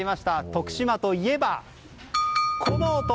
徳島といえば、この音。